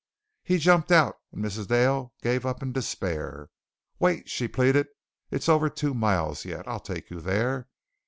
He jumped out and Mrs. Dale gave up in despair. "Wait," she pleaded. "It's over two miles yet. I'll take you there.